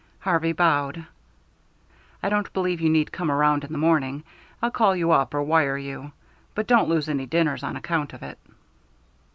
Harvey bowed. "I don't believe you need come around in the morning. I'll call you up or wire you. But don't lose any dinners on account of it."